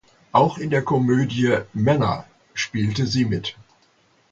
Auch in der Komödie "Männer" spielte sie mit.